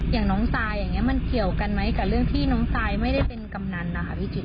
อย่างน้องซายอย่างนี้มันเกี่ยวกันไหมกับเรื่องที่น้องซายไม่ได้เป็นกำนันนะคะพี่จุ